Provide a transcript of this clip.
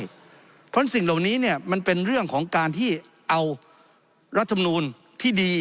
เพราะฉะนั้นสิ่งเหล่านี้เนี่ยมันเป็นเรื่องของการที่เอารัฐมนูลที่ดี